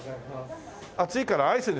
暑いからアイスにする。